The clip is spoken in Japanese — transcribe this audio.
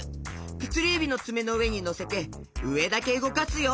くすりゆびのつめのうえにのせてうえだけうごかすよ。